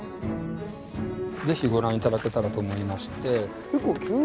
是非ご覧頂けたらと思いまして。